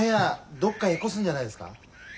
どっかへ引っ越すんじゃないですか？